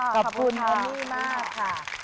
ขอบคุณครับ